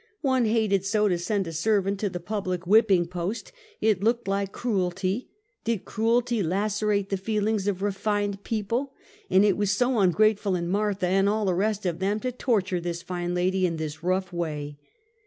One hated so to send a servant to the pub lic whipping post; it looked like cruelty — did cruelty lacerate the feelings of refined people, and it was so ungrateful in Martha, and all the rest of them, to tor ture this fine lady in this rough way.